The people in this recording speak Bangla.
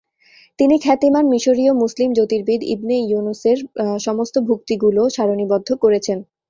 তিনি খ্যাতিমান মিশরীয় মুসলিম জ্যোতির্বিদ ইবনে ইউনূসের সমস্ত ভুক্তিগুলো সারণীবদ্ধ করেছেন।